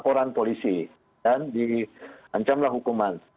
laporan polisi dan di ancamlah hukuman